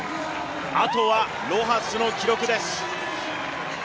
あとは、ロハスの記録です。